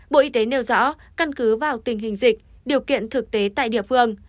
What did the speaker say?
bộ y tế nêu rõ căn cứ vào tình hình dịch điều kiện thực tế tại địa phương